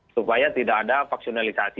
supaya tidak ada vaksinalisasi